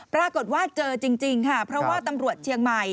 ปรากฏว่าเจอจริงค่ะเพราะว่าตำรวจเชียงใหม่